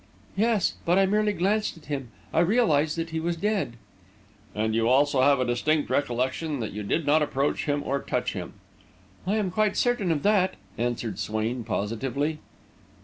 "Yes; but I merely glanced at him. I realised that he was dead." "And you also have a distinct recollection that you did not approach him or touch him?" "I am quite certain of that," answered Swain, positively.